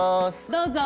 どうぞ。